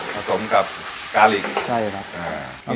สมกับการ์หลีก